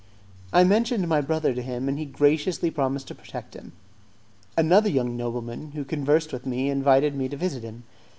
I mentioned my brother to him, and he graciously promised to protect him. Another young nobleman, who conversed with me, invited me to visit him.